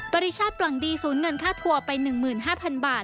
ปริชาติปล่องดีศูนย์เงินค่าทัวร์ไป๑๕๐๐๐บาท